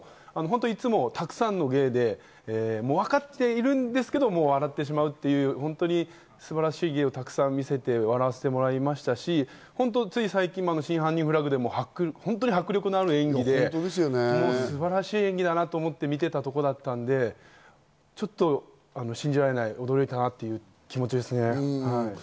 いつもたくさんの芸で、わかってるんですけれども、笑ってしまうという素晴らしい芸をたくさん見せていただいて笑わせてもらいましたし、つい最近、『真犯人フラグ』でも迫力のある演技で素晴らしい演技だなと思って見ていたところだったので、ちょっと信じられない、驚いたなという気持ちですね。